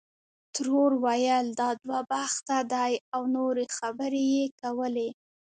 ترور ویل دا دوه بخته دی او نورې خبرې یې کولې.